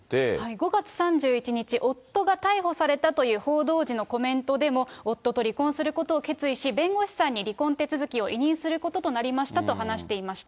５月３１日、夫が逮捕されたという報道時のコメントでも、夫と離婚することを決意し、弁護士さんに離婚手続きを委任することとなりましたと話していました。